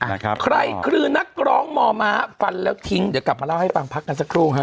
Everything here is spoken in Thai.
ใครคือนักร้องม้าฟันแล้วทิ้งเดี๋ยวกลับมาเล่าให้ฟังพักกันสักครู่ฮะ